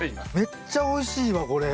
めっちゃおいしいわこれ。